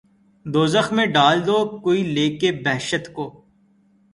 دوزخ میں ڈال دو‘ کوئی لے کر بہشت کو